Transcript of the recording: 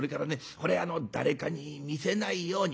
これあの誰かに見せないように」。